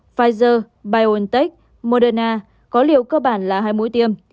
pfizer biontech moderna có liệu cơ bản là hai mũi tiêm